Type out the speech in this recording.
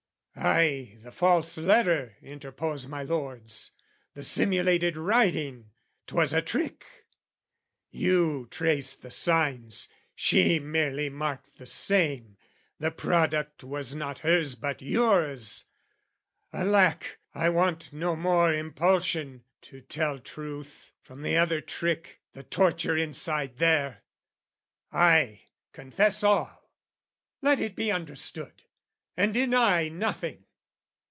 "Ay, the false letter," interpose my lords "The simulated writing, 'twas a trick: "You traced the signs, she merely marked the same, "The product was not hers but yours." Alack, I want no more impulsion to tell truth From the other trick, the torture inside there! I confess all let it be understood And deny nothing!